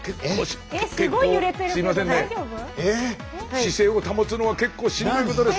姿勢を保つのは結構しんどいことです。